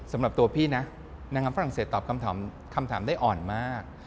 สำหรับตัวพี่นะนางงามฝรั่งเศสตอบคำถามคำถามได้อ่อนมาก